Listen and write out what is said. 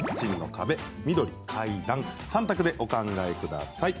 ３択でお考えください。